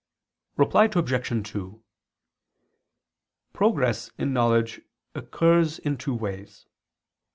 Reply Obj. 2: Progress in knowledge occurs in two ways.